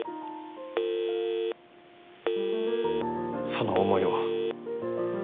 その思いを。